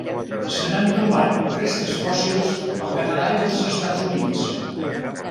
Se n'han trobat restes fòssils al Canadà i els Estats Units.